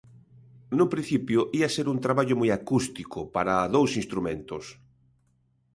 Nun principio, ía ser un traballo moi acústico, para dous instrumentos.